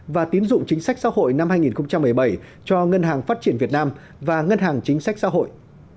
và tiến dụng chính sách xã hội năm hai nghìn một mươi bảy cho ngân hàng phát triển việt nam và ngân hàng chính sách xã hội